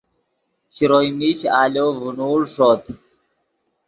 شروئے میش آلو ڤینوڑ ݰوت